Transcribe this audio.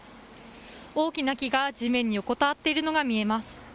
大きな木が地面に横たわっているのが見えます。